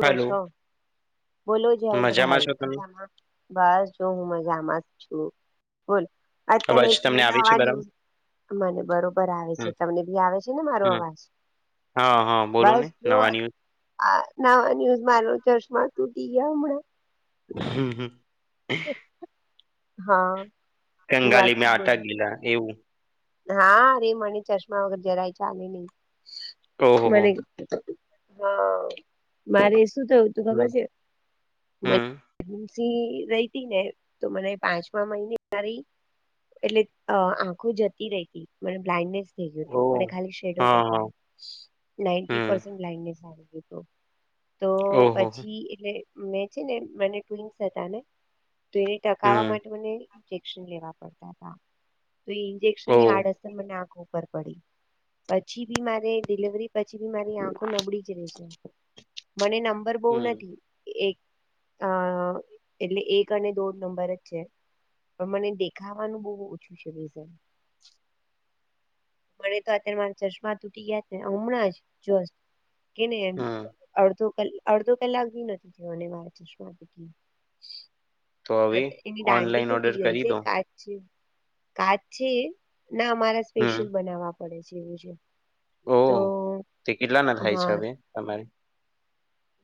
Hello છો બોલો જયંત મજામાં છો ભાઈ. તમે મજામા બસ જો હુ મજામા જ છુ. બોલ અત્યારે અવાજ એક તમને આવે છે નવા ન બરાબર મને બરોબર આવે છે. હમ તમને બી આવે છેને, મારો હમ અવાજ હા હા બોલો ને. બસ જો નવા ન્યઝ આ નવા ન્યુઝ મારો ચશમાં તૂટી ગયા હમણા. હમ્મ હમ્મ હા હું કગાલી મે વાચતી બોલ આટા ગીલા એવુ હા અ રરે મને ચશ્મા વગર જરાય ચ આલે નહી. ઓહોહો મને હા મારે શુ થયુ તુ ખબર હમ છે. હમ રહી હતી. ને તો મને પાંચમા મહિને માારી એટલે આંખો જતી રહી હતી મ બ્લાઇન્ડનેસ [unintelligible] ઓહ મને ખાલી શેડો હા હા હમ દેખાય. તો ઓહો હો. પછી એટલે મે છેને, મને ટુગસ હતાને તો એને ટકાવવા હમ માટે મને ઈન્જેક્શન લેવા પડતા હતા. ની ઓહ આડઅસર મને આગ ઉપર પડી પછી બી મારે ડિલિવરી પછી બી મારી આંખો નબળી જ રહેશે મને નંબર બહ હમ નથી. એક આ એટલે એક અને દોઢ નંબર જ છે. પણ મને દેખાવાનુ બહુ ઓછુ છે, રીઝન મને તો અત્યારે મારા ચશ્મા તૂટી ગયા ને હમણાં જ જો કેને હમ અડધો કલાક જ નથી થયા ને મારા ચશ્માં તૂટી ગયા. તો હવે એની દાંડી ઓનલાઈન તૂટી ઓર્ડર ગઈ કરી છે. દો કાચ કાચ છે ના અમારે હમ સ્પેશિયલ બનાવવા પડે છે, એવું છે. ઓ તો તે કેટલા ના થાય છે, હા હવે તમારે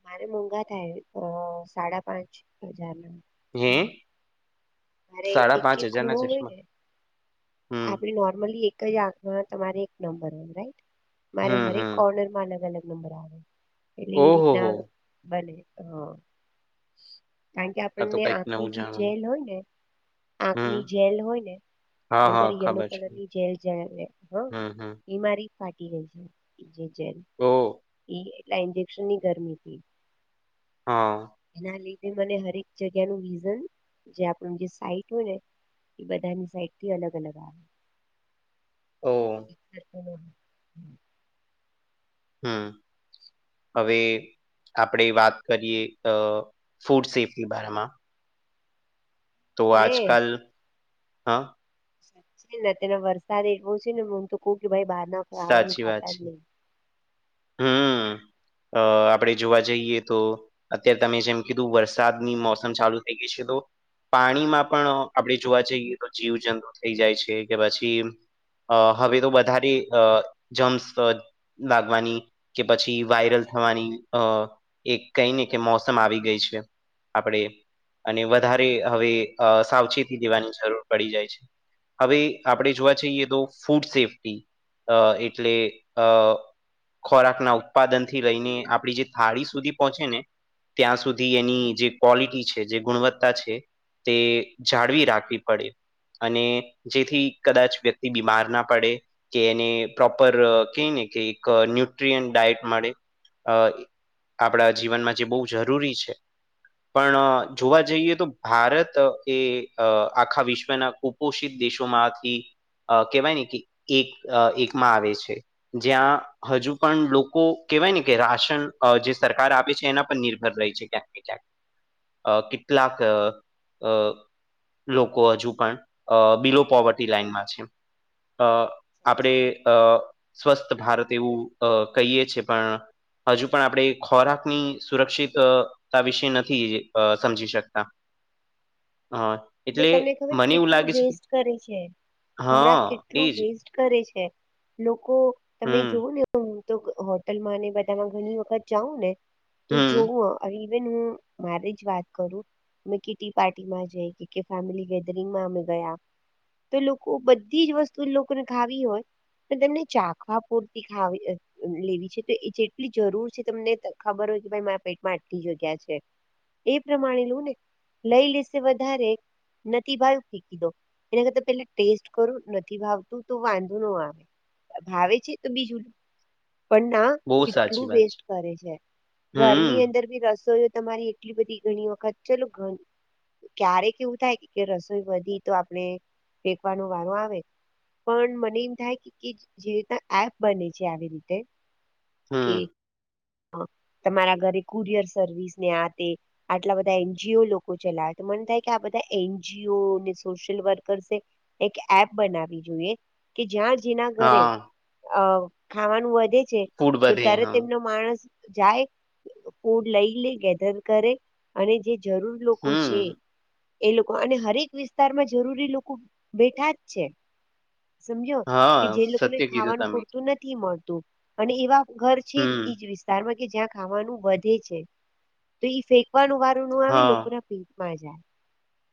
મારે મોઘા થાય સાડા પાંચ હજાર હે ના મારે સાડા એક પાંચ એક હજારના ખૂણો હોય, ચશ્મા ને હમ આપણે નોર્મલી એક જ આંખમાં તમારે એક નંબર રાઈટ. મારે હમ હરેક હમ કોર્નર માં અલગ અલગ નબર આવે એટલે એ ઓહો હો રીતના બને હ કારણ કે આ તો આપણને કઈક નવું આંખની જે જાણવાનું જેલ હોયને, હમ આંખની જેલ હોય, ને હા હા અદર યલો ખબર છે કલર ની જેલ જ હ હમ હમ બિમારી ફાટી ગઈ છે. જેજેલ ઓ એ એટલા ઇન્જેક્શન ની ગરમી થી. હા એના લીધે મને હરેક, જગ્યાનુ વિઝન જે આપણું જે સાઈટ હોય ને એ બધાની સાઈટ થી અલગ અલગ આવે. ઓ હમ્મ હવે આપણેે વાત કરીએ ફૂડ સેફ્ટી બારમા તો ને આજકાલ હા ને અત્યારે વરસાદ એવો છેને, હમ તો કહ કે ભાઈ બહાર ના ખાવાનું સાચી વાત ખાતા છે જ નહી. હમ અ આપણેે જોવા જઈએ, તો અત્યારે તમે જેમ કીધુ વરસાદની મોસમ ચાલુ થઈ ગઈ છે, તો પાણીમાં પણ આપણેે જોવા જઈએ, તો જીવ જંતુ થઈ જાય છે. કે પછી અ હવે તો વધારે અ જમ્સ લાગવાની કે પછી વાયરલ થવાની અ એક કઈ ને કે મોસમ આવી ગઈ છે. આપણે અને વધારે હવે સાવચેતી દેવાની જરૂર પડી જાય છે. હવે આપણે જોવા જઈએ તો, ફૂડ સેફ્ટી એટલે અ ખોરાક ના ઉત્પાદન થી લઈને, આપડી જે થાળી સુધી પહોંચે ને ત્યાં સુધી એની જે ક્વલિટી છેજે, ગુણવત્તા છે. તે જાળવી રાખવી પડે અને જેથી કદાચ વ્યક્તિ બીમાર ના પડે કે એને પ્રોપર કહને કે એક ન ન એન્ ડાયટ મળે. આપણા જીવનમાં જે બહુ જરૂરી છે. પણ જોવા જઈએ તો, ભારત એ આખા વિશ્વના ખૂબ પોષિત દેશોમાંથી અ કહેવાય ને કે એક એકમાં આવે છે. જ્યાં હજુ પણ લોકો કેહેવાય ને કે રાશન જે સરકાર આપે છે. એના પર નિર્ભર રહી છે, ક્યા અ કેટલાક અ લોકો હજુ પણ બિલો પોવર્ટી લાાઈનમા છે. અ આપણેે અ સ્વસ્થ ભારત એવું અ કહીએ છે, પણ હજુ પણ આપણે ખોરાકની સુરક્ષિત આ વિષય નથી સમજી શકતા અને એટલે તમને ખબર છે? મને એવું કેટલું લાગે છે કે વેસ્ટ કરે છે. ખોરાક હા કેટલું એજ વેસ્ટ કરે છે. લોકો તમે હમ જોવુ ને તો હોટલ માં બધા ઘણી વખત જાઉં ને, તો હમ જોવુ ઇવેન હુમારે જ વાત કરુ, મે કે ટી પાર્ટીમાં જઈ કે કે ફેમિલી ગેધરિંગમાં અમે ગયા તો, લોકો બધી જ વસ્તુ લોકોને ખાવી હોય. તમને ચાખવા પૂરતી ખાવી લેવી છે તો, એ જેટલી જરૂર છે તમને ખબર હોય કે ભાઈ મારા પેટમાં આટલી જગ્યા છે. એ પ્રમાણે લું ને લઈ લેશે વધારે નથી ભાવ ફેકી દો. એના કરતા પેલે ટેસ્ટ કરુ નથી ભાવતું તો વાંધો ન આવે ભાવે છે તો, બીજું. પણ ના બહુ કેટલું સાચી વાત છે. વેસ્ટ કરે છે. ઘરની હમ અંદર બી રસોઈ તમારી એટલી બધી ઘણી વખત ચલો ક્યારે કેવુ થાય. રસોઈ વધી તો, આપણે ફેંકવાનું વાર આવે પણ મને એમ થાય, જે રીત એપ બને છે આવી રીતે કે હમ્મ તમારા ઘરે કુરિયર સર્વિસ ને આ આટલા બધા એનજીઓ લોકો ચલાવે તો, મને થાય કે આ બધા એનજીઓને સોશિયલ વર્કર એક એપ બનાવી જોઈએ. કે જ્યાં જેના ઘરે હા અ ખાવાનું વધે છે. ફૂડ તો વધે ત્યારે હા તેમનો માણસ જાય ફૂડ લઈ લે, ગેધર કરે અને જે જરૂર લોકો છે. હમ એ લોકો અને હરેક વિસ્તાર માં જરૂરી લોકો બેઠા જ છે. સમજો કે હા જે લોકોને સત્ય કીધું ખાવાનું તમે પૂરતું નથી મળતુ અને એવા ઘર છે હમ એજ વિસ્તારમાં કે જ્યાં ખાવાનુ વધે છે. તો ઈ ફેંકવાનું વાર ન આવે, લોકો હા ના પેટમાં જાય.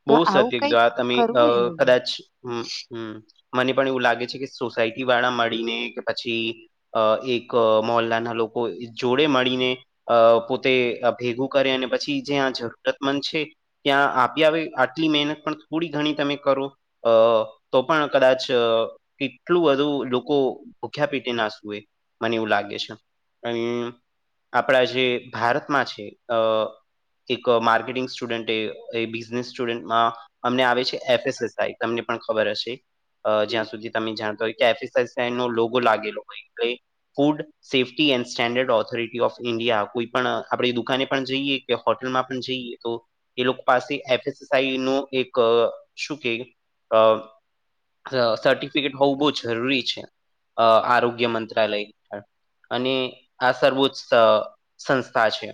તો બહુ સત્ય આવું કીજો કઈક આ તમે કરવું જોઈએ. કદાચ હમ્મ મને પણ એવું લાગે છે કે, સોસાયટી વાળા મળીને કે પછી અ એક મોલ્લાના લોકો જોડે મળીને. અ પોતે ભેગું કરે, અને પછી જ્યા આ જરૂરતમંદ છે. ત્યાં આપી આવે. આટલી મહેનત પણ થોડી ઘણી તમે કરો, અ તો પણ કદાચ. કેટલું બધું લોકો ભૂખ્યા પેટી ના સુુંવે. મને એવું લાગે છે. અ આપણા જે ભારતમાં છે. અ એક માર્કેટિંગ સ્ટુડેન્ટ એ એ બિઝનેસ. અમને આવે છે એસસઈ. તમને પણ ખબર હશે. હમ જ્યાં સુધી તમે જાણતા હોય કેફ ન લોગો લાગેલો હોય એલે food safety and standard authority of India કોઈ પણ આપણે દુકાને પણ જઈએ હોટેલમાં પણ જઈએ તો એ લોકો પાસે એસ નું એક શું કે સર્ટિફિકેટ હોવું બહ જરૂરી છે આરોગ્ય મંત્રાલય હેઠળ અને આ સર્વોચ્ચ સંસ્થા છે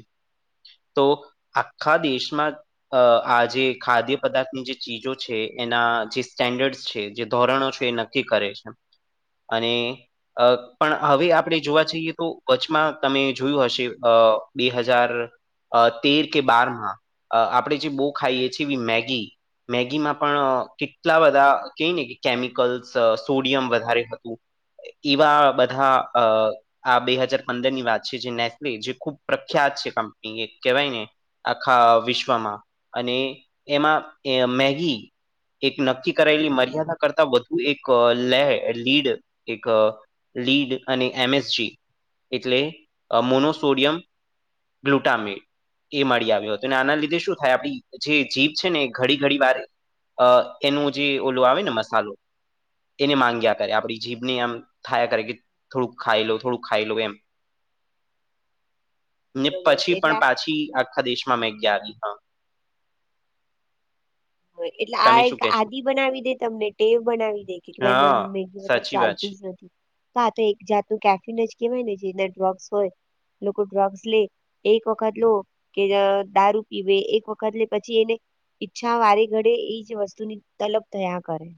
તો આખા દેશમાં આજે ખાદ્ય પદાર્થની જે ચીજો છે એના જે સ્ટેન્ડર્ડ છે જે ધોરણો છે એ નક્કી કરે છે અને અ પણ હવે આપણે જોવા જઈએ તો કચ્ચમાં તમે જોયું હશે અ બે હજાર અ તેર કે બારમાં આપણે જે બહુ ખાઈએીએ એવી મેગી મેગીમાં પણ કેટલા બધા કય ને કે કેમિકલ્સ સોડિયમ વધારે હતું એવા બધા અ આ બે હાજાર પંદર ની વાત છે જે નેસ્લી જે ખુબ પ્રખ્યાત છે કંપની એ કેવાય ને આખા વિશ્વમાં અને એમાં મેગી એક નક્કી કરાયેલી મર્યાદા કરતા વધુ એક લે લીડ એક લીડ અને એમએસજી એટલે મોનોસોડિયમ ગ્લુટામીટ એ મળી આવ્યો હતોું અને આના લીધે શું થાય આપડી જે જીભ છે ને ઘડી ઘડી વાર એનું જે ઓલો આવે ને મસાલો એને માંગ્યા કરે આપણી જીભને એમ થયા કરે કે થોડુંક ખાઈ લો થોડું ખાઈ લો એમ ને બરોબર છે પછી એટલે પણ પાછી આખા દેશમાં મેં ગયા આવી હા એટલે આ તમે એક શું કેશો આદિ બનાવી દે તમને ટેવ બનાવી દે ભાઈ મ હા મેગીતર સાચી વાત ચાલતું છે જ નથી હા તો એક જાતનું કેફિન જ કેવાય ને જે ડ્રગ્સ હોય લોકો ડ્રગ્સ લે એક વખત લો કે દારૂ પીવે એક વખત લે પછી એને ઈચ્છા વારે ઘડે એ જ વસ્તુ ની તલબ થયા કરે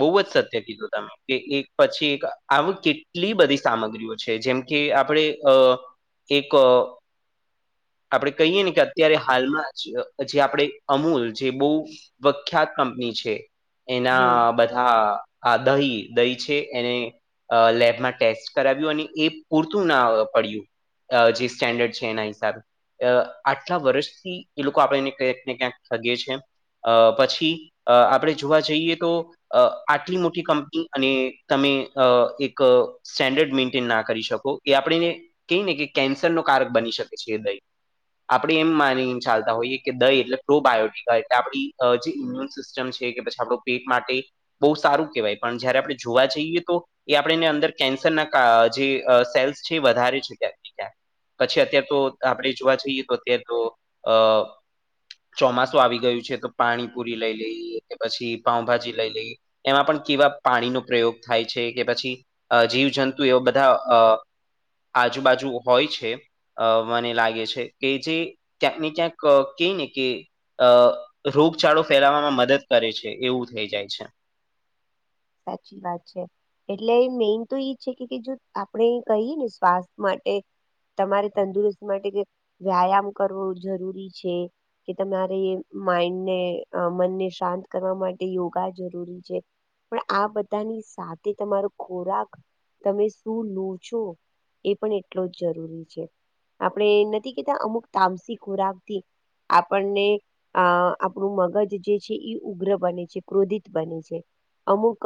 બહુ જ સત્ય કીધું તમે કે એક પછી એક આવ કેટલી બધી સામગ્રીઓ છે જેમ કે આપણે અ એક આપણેે કહીએ ને કે અત્યારે હાલમાં જે આપણે અમૂલ જે બહુ પ્રખ્યાત કંપની છે હમ એના બધા આ દહી દહી છે એને લેબમાં ટેસ્ટ કરાવ્યું અને એ પૂરતું ના પડ્યું જે સ્ટેન્ડર્ડ છે એના હિસાબે આટલા વર્ષથી એ લોકો આપેને ક્યાંક ને ક્યાંક થગે છે અ પછી અ આપણે જોવા જઈએ તો અ આટલી મોટી કંપની અને તમે અ એક સ્ટેન્ડર્ડ મેન્ટેન ના કરી શકો એ આપણેને કહી ને કે કેન્સર ન કારક બની શકે છે દહી આપણે એમ માની ચાલતા હોઈએ કે દહી એટલે પ્રોબાયોટીિકય એટલે આપ જે ઇમ્યુન સિસ્ટમ [unintelligible] છે કે પછી આપડો પેટ માટે બહુ સારું કહેવાય પણ જયારે આપણે જોવા જઈએ તો એ આપણેને અંદર કેન્સર ના જે સેલ્સ છે એ વધારે છે ક્યાંક ને ક્યાંક પછી અત્યાર તો આપણે જોવા જઈએ તો અત્યારે તો અ ચોમાસું આવી ગયું છે તો પાણી પુરી લઈ લઈ કે પછી પાઉભાજી લઈ લઈ એમાં પણ કેવા પાણી નો પ્રયોગ થાય છે કે પછી અ જીવજંતુ એવા બધા અ આજુબાજુ હોય છે. અ મને લાગે છે કે જે ક્યાંક ને ક્યાંક કેઈ ને કે અ રોગચાળો ફેલાવવામાં મદદ કરે છે એવું થઈ જાય છે. સાચી વાત છે. એટલે મેઈન તો એઈ છે કે જો આપણે કહીએ ને સ્વાસ્થ માટે તમારે તંદુરસ્તી માટે વ્યાયામ કરવો જરૂરી છે કે તમારે માઈન્ડને મનને શાંત કરવા માટે યોગા જરૂરી છે. પણ આ બધાની સાથે તમારો ખોરાક તમે શું લો છો એ પણ એટલો જ જરૂરી છે. આપણે નથી કેતા અમુક તામસી ખોરાક થી આપણને અ આપણું મગજ જે છે એ ઉગ્ર બને છે ક્રોધિત બને છે. અમુક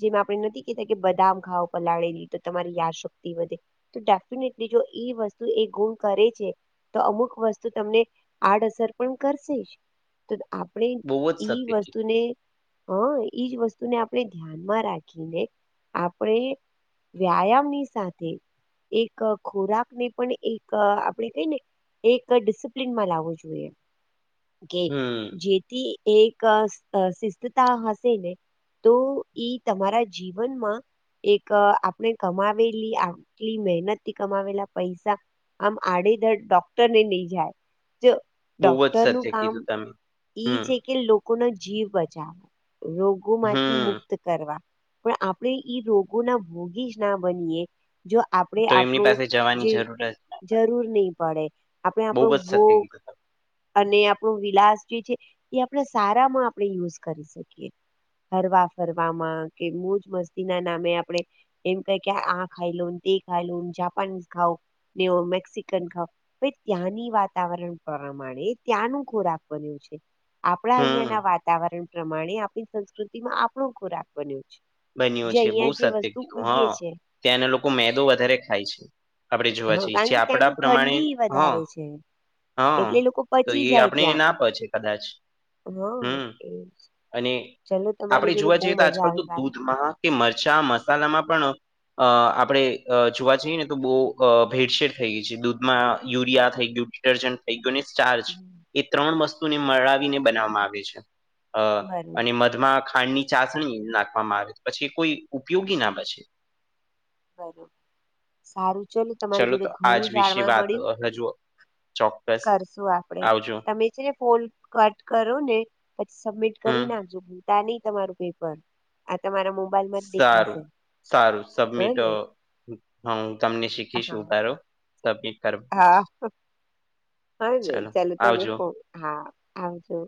જેમાં આપણે નથી કેતા કે બદામ ખાઓ પલાળેલી તો તમારી યાદશક્તિ વધે. તો ડેફિનેટલી જો એ વસ્તુ એ ગુણ કરે છે તો અમુક વસ્તુ તમને આડઅસર પણ કરશે જ. તો આપણે બહુ જ સત્ય ઈ કીધું. વસ્તુને હ ઈજ વસ્તુ ને આપણે ધ્યાનમાં રાખીને આપણે વ્યાયામની સાથે એક ખોરાક ને પણ એક આપણેે કઈ ને એક ડિસિપ્લનમાં લાવવો જોઈએ. કે હમ, જેથી એક શિસ્તતા [unintelligible] તો ઈ તમારા જીવનમાં એક આપણે કમાવેલી આટલી મહેનતથી કમાવેલા પૈસા આમ આડેધડ ડોક્ટરને નઈ જાય જો બહુ જ ડોક્ટર નું સત્ય કામ કીધું તમે. ઈ હમ, છે કે લોકોનો જીવ બચાવે રોગોમાં હમ. [unintelligible] કરવા પણ આપણે ઈ રોગો ના ભોગી જ ના બનીએ. જો આપણેે તો એમની આપણું પાસે જવાની જે જરૂર જ ના. જરૂર નહી પડે. આપણે બહુ આપણો જ સત્ય ભોગ કીધું તમે. અને આપણું વિલાસ જે છે એ આપણે સારામાં આપણે યુઝ કરી શકીએ. હરવા ફરવામાં કે મોજ મસ્તી ના નામે આપણેે એમ કય કે આ ખાઈ લોને તે ખાઈ લો જાપાની ખાવ ને મેક્સિકન ખાવ હવે ત્યાંની વાતાવરણ પ્રમાણે ત્યાંનું ખોરાક બન્યું છે. આપણા અહિયાં હમ, ના વાતાવરણ પ્રમાણે આપણી સંસ્કૃતિમાં આપણો ખોરાક બન્યો છે. બન્યો જે છે બહુ અહિયાં જે સત્ય વસ્તુ કીધું હ ઉગે છે ત્યાંના લોકો મેદો વધારે ખાય છે. આપણે જોવા હા જઈએ છે કારણ કે આપડા ત્યાંની પ્રમાણે ઠંડી હ વધારે છે હા એટલે લોકો તો પચી એ જાય આપણી ત્યાં ના પછે કદાચ. હા એ હમ્મઅને ચલો તમારી આપણેે જોડે જોવા બહુ જઈએ તો મજા આજકાલ આવી તો વાત દૂધ માં કે મરચા મસાલામાં પણ અ આપણે જોવા જઈએ ને તો બો અ ભેડસેડ થઈ ગઈ છે દૂધમાં યુરિયા થઈ ગયું ડિટર્જન્ટ થઈ ગયું ને સ્ટાર્જ એ ત્રણ વસ્તુને મળાવીને બનાવવામાં આવે છે અ બરોબર અને મધમાં ખાંડ ની ચાસણી નાખવામાં આવે પછી કોઈ ઉપયોગી ના બચે. બરોબર સારું ચલો તમારી જોડે તો આજ ઘણું વિશે જાણવા વાત મળ્યું. અ, હજુ ચોક્કસ કરશું આપડે આવજો તમે છે ને ફોન કટ કરો ને પછી સબમિટ હમ કરી નાખજો [unintelligible] તમારું પેપર આ તમારા મોબાઈલમાં જ સારું દેખાશે સારું હ સબમિટ ને હુ તમને હા શીખીશું કારો સબમીટ કરો હાને ચાલ તમે આવજો ફોન, હા આવજો